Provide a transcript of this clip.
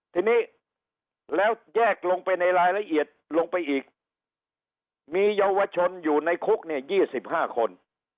ทีนี้แล้วแยกลงไปในรายละเอียดลงไปอีกมีเยาวชนอยู่ในคุกเนี่ย๒๕คน